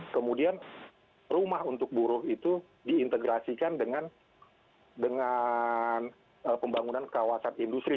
kemudian rumah untuk buruh itu diintegrasikan dengan pembangunan kawasan industri